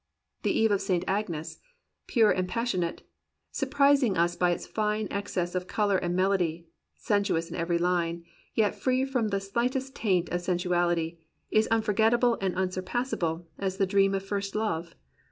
"The Eve of St. Agnes," pure and passion ate, surprizing us by its fine excess of colour and melody, sensuous in every Une, yet free from the slightest taint of sensuality, is unforgetable and unsurpassable as the dream of first love.